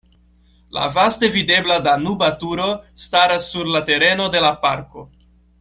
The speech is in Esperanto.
La vaste videbla Danuba Turo staras sur la tereno de la parko.